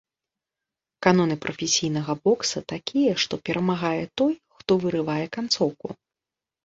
Каноны прафесійнага бокса такія, што перамагае той, хто вырывае канцоўку.